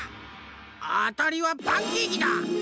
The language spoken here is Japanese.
あたりはパンケーキだ！